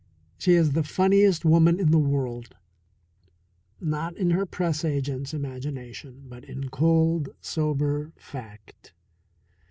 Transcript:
She is the funniest woman in the world not in her press agent's imagination, but in cold, sober fact.